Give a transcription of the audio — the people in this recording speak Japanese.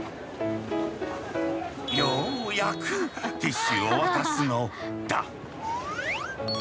ようやくティッシュを渡すのだ。